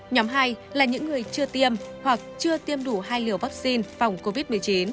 nhóm hai là những người chưa tiêm hoặc chưa tiêm đủ hai liều vaccine phòng covid một mươi chín